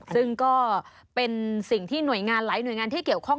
ซึ่งก็เป็นสิ่งที่หน่วยงานหลายหน่วยงานที่เกี่ยวข้อง